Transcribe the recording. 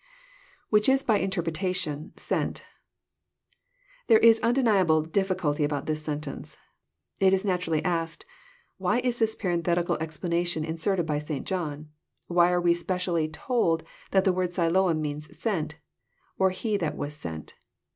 7 n 146 EXPOSITORY THOUGHTS. IWhiehU by interpretation, Sent."] There is nndenlable diffi culty about this sentence. It is naturally asked, — Why is this parenthetical explanation inserted by St. John? Why are we specially told that the word Siloam means Sent, or He that was sent?